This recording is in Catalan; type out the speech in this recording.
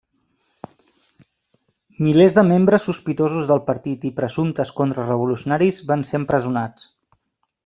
Milers de membres sospitosos del partit i presumptes contrarevolucionaris van ser empresonats.